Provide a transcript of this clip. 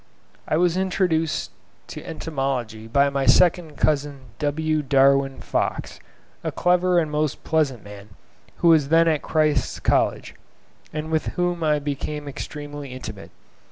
I was introduced to entomology by my second cousin W. Darwin Fox, a clever and most pleasant man, who was then at Christ's College, and with whom I became extremely intimate.